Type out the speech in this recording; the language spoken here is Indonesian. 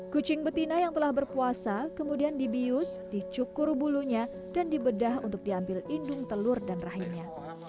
kucing betina yang telah berpuasa kemudian dibius dicukur bulunya dan dibedah untuk diambil indung telur dan rahimnya